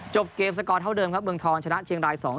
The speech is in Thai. จบเกมสกอร์เท่าเดิมครับเมืองทองชนะเชียงราย๒๐